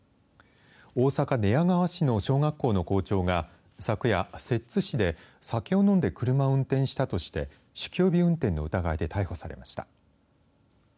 大阪寝屋川市の小学校の校長が昨夜、摂津市で酒を飲んで車を運転したとして酒気帯び運転の疑いで逮捕されました。